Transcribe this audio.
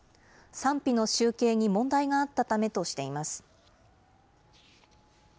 賛否の集計に問題があったためとしています。